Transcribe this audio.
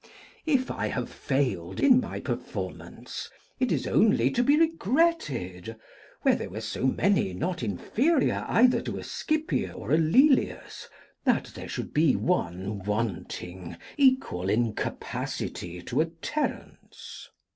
If I have failed in my performance, it is only to be regretted, where there were so many not inferior either to a Scipio or a Lelius, that there should be one wanting equal in capacity to a Terence.